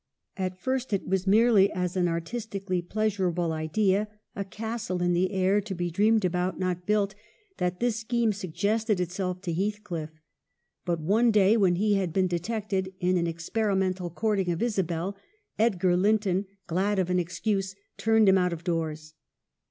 WUTHERING HEIGHTS: 253 At first it was merely as an artistically pleas urable idea, a castle in the air, to be dreamed about, not built, that this scheme suggested it self to Heathcliff. But one day, when he had been detected in an experimental courting of Isabel, Edgar Linton, glad of an excuse, turned him out of doors.